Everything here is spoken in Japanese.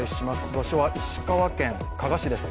場所は石川県加賀市です。